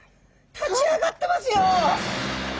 立ち上がってますよ。